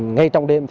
ngay trong đêm